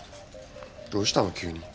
どうしたの？